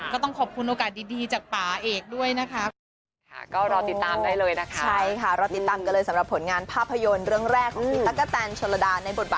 ก็ต้องขอบคุณโอกาสดีจากป่าเอกด้วยนะคะ